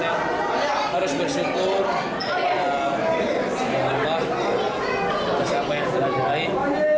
dan juga harus bersyukur ya allah untuk siapa yang telah jelain